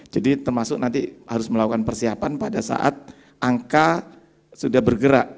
jadi termasuk nanti harus melakukan persiapan pada saat angka sudah berhasil